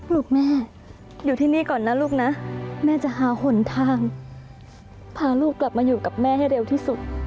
ลูกแม่อยู่ที่นี่ก่อนนะลูกนะแม่จะหาหนทางพาลูกกลับมาอยู่กับแม่ให้เร็วที่สุด